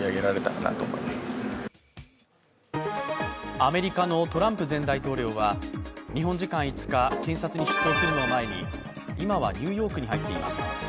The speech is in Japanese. アメリカのトランプ前大統領は日本時間の５日、検察に出頭するのを前に、今はニューヨークに入っています。